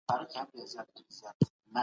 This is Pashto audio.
پنځوس پنځه ډلي دي.